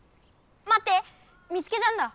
まって見つけたんだ！